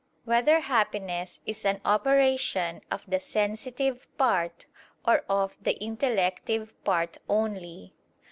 3] Whether Happiness Is an Operation of the Sensitive Part, or of the Intellective Part Only?